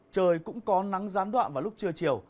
trời cũng có nắng gián đoạn vào lúc trưa chiều